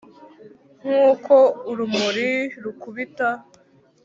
nkuko urumuri rukubita